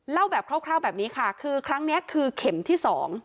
เล่าแบบคร่าวแบบนี้ค่ะคือครั้งนี้คือเข็มที่๒